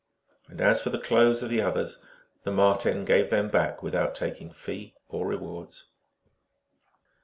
And as for the clothes of the others, the Marten gave them back without taking fee or re wards.